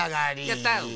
やった！ね！